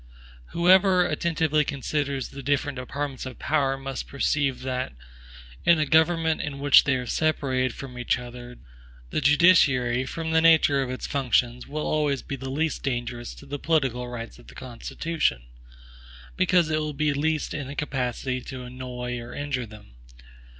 Whoever attentively considers the different departments of power must perceive, that, in a government in which they are separated from each other, the judiciary, from the nature of its functions, will always be the least dangerous to the political rights of the Constitution; because it will be least in a capacity to annoy or injure them.